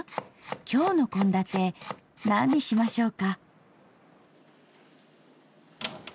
今日の献立何にしましょうか？